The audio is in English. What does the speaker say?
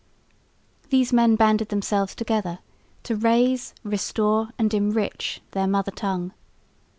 These men banded themselves together "to raise, restore and enrich" their mother tongue.